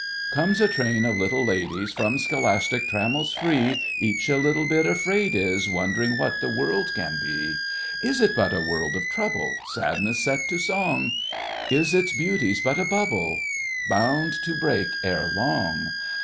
Comes a train of little ladies From scholastic trammels free, Each a little bit afraid is, Wondering what the world can be! Is it but a world of trouble— Sadness set to song? Is its beauty but a bubble Bound to break ere long?